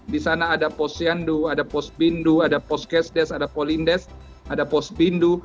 di sana ada posyandu ada posbindu ada poskesdes ada polindes ada posbindu